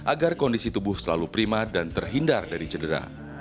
agar kondisi tubuh selalu prima dan terhindar dari cedera